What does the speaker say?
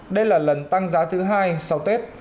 đây là lần tăng giá thứ hai sau tết